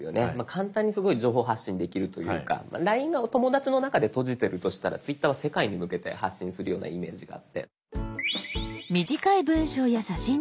簡単に情報発信できるというか「ＬＩＮＥ」がお友だちの中で閉じてるとしたら「Ｔｗｉｔｔｅｒ」は世界に向けて発信するようなイメージがあって。